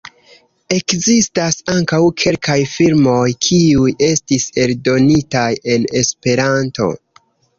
Ekzistas ankaŭ kelkaj filmoj, kiuj estis eldonitaj en Esperanto.